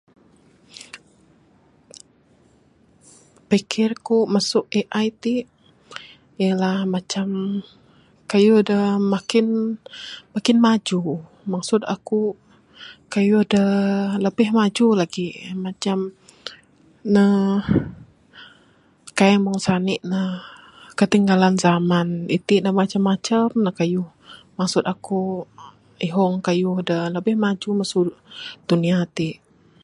Pikir ku masu AI ti ialah macam kayuh da makin, makin maju. Maksud aku kayuh de labih maju lagi macam, ne kaik meng sani ne. Ketinggalan zaman, iti ne macam macam lah kayuh. Maksud aku ihong kayuh de labih maju masu dunia ti.